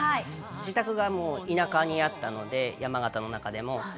自宅が田舎にあったので山形の中でも。